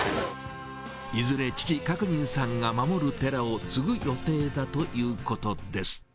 いずれ、父、覚仁さんが守る寺を継ぐ予定だということです。